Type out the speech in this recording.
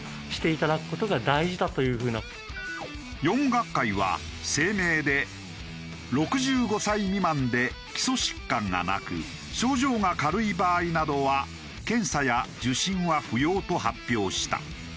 ４学会は声明で６５歳未満で基礎疾患がなく症状が軽い場合などは検査や受診は不要と発表した。